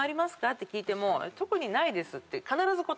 って聞いても「特にないです」って必ず答える。